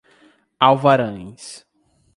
Alvarães